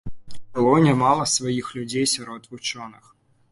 Было нямала сваіх людзей сярод вучоных.